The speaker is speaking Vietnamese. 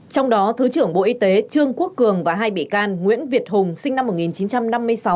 trong đó thứ trưởng bộ y tế trương quốc cường và hai bị can nguyễn việt hùng sinh năm một nghìn chín trăm năm mươi sáu